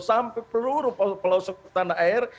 sampai peluru peluru pelau sekutan dan air